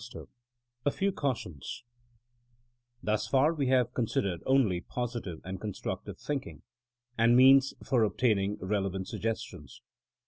in A FEW CAUTIONS THUS far we have considered only positive and constructive thinking, and means for obtaining relevant suggestions.